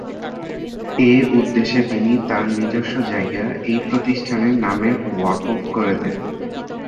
এ উদ্দেশ্যে তিনি তার নিজস্ব জায়গা এই প্রতিষ্ঠানের নামের ওয়াকফ করে দেন।